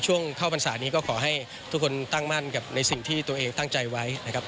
ช่วงเข้าพรรษานี้ก็ขอให้ทุกคนตั้งมั่นกับในสิ่งที่ตัวเองตั้งใจไว้นะครับ